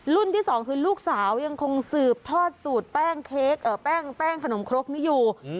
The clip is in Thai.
รุ่นที่๒คือลูกสาวยังคงสืบทอดสูตรแป้งเค้กแป้งขนมครกนี่อยู่